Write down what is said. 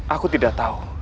aku tidak tahu